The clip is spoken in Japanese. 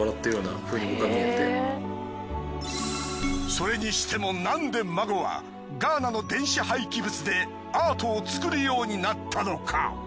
それにしてもなんでＭＡＧＯはガーナの電子廃棄物でアートを作るようになったのか？